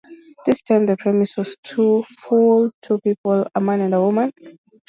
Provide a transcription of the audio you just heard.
This time the premise was to fool two people, a man and a woman.